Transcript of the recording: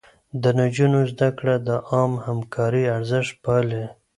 د نجونو زده کړه د عامه همکارۍ ارزښت پالي.